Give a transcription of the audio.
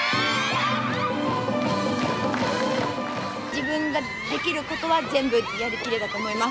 自分ができることは全部やりきれたと思います。